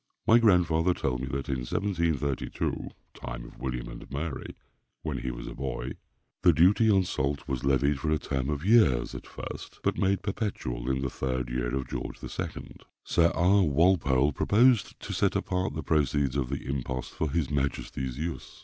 My grandfather told me that in 1732 (time of William and Mary), when he was a boy, the duty on salt was levied for a term of years at first, but made perpetual in the third year of George II. Sir R. Walpole proposed to set apart the proceeds of the impost for his majesty's use.